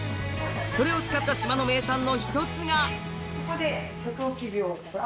それを使った島の名産の１つがここで。